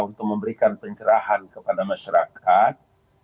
untuk memberikan pencerahan kepada masyarakat